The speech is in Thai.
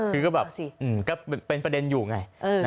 คือก็แบบก็เป็นประเด็นอยู่ไง